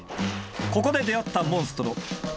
ここで出会ったモンストロ。